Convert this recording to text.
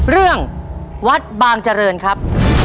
เรื่องวัดบางเจริญครับ